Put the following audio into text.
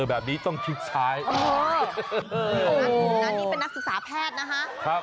น้านนี้เป็นนักศึกษาแพทย์นะคะ